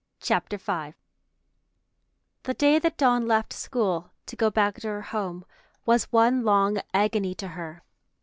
CHAPTER V The day that Dawn left school to go back to her home was one long agony to her.